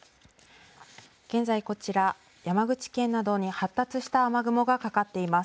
現在こちら、山口県などに発達した雨雲がかかっています。